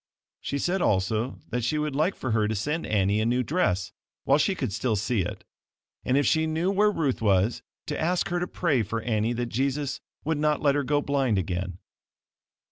She said also that she would like for her to send Annie a new dress while she could still see it, and if she knew where Ruth was to ask her to pray for Annie that Jesus would not let her go blind again.